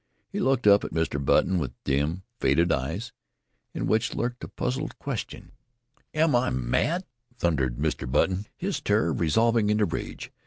He looked up at Mr. Button with dim, faded eyes in which lurked a puzzled question. "Am I mad?" thundered Mr. Button, his terror resolving into rage.